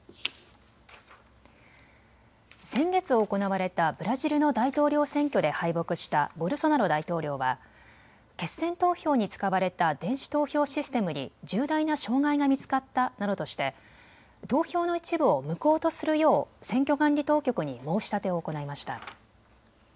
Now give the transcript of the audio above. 先月行われたブラジルの大統領選挙で敗北したボルソナロ大統領は決選投票に使われた電子投票システムに重大な障害が見つかったなどとして投票の一部を無効とするよう選挙管理当局に申し立てを行いました。